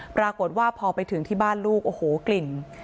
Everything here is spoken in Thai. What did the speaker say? ปรากฏว่าพอไปถึงที่บ้านลูกโอ้โหกลิ่น